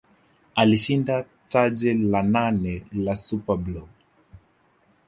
Alishinda taji la nane la SuperBowl